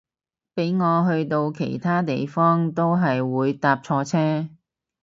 俾我去到其他地方都係會搭錯車